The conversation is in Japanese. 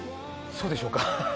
そうでしょうか？